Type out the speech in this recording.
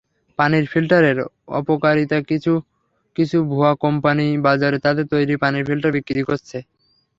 পানির ফিল্টারের অপকারিতাকিছু কিছু ভুয়া কোম্পানি বাজারে তাদের তৈরি পানির ফিল্টার বিক্রি করছে।